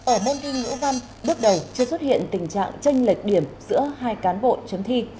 ở môn thi ngữ văn bước đầu chưa xuất hiện tình trạng tranh lệch điểm giữa hai cán bộ chấm thi